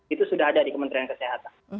itu sudah ada di kementerian kesehatan